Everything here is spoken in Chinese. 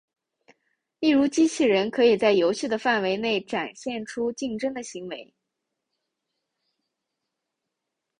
例如机器人可以在游戏的范围内展现出竞争的行为。